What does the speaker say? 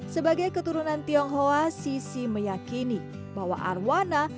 sebagai keturunan tionghoa cici meyakini bahwa arowana